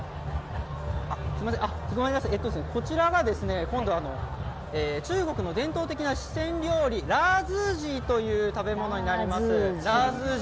こちらが中国の伝統的な四川料理、ラーズージーという食べ物になります。